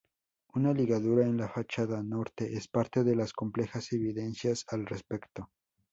Una ligadura en la fachada norte es parte de las complejas evidencias al respecto.